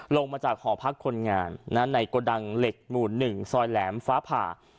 ลงมาจากหอพักคนงานในกระดังเหล็กหมู่๑ซอยแหลมฟ้าผ่า